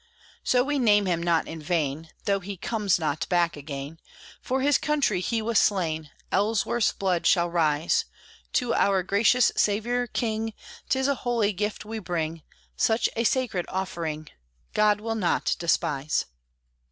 So we name him not in vain, Though he comes not back again! For his country he was slain; Ellsworth's blood shall rise To our gracious Saviour King: 'Tis a holy gift we bring; Such a sacred offering God will not despise.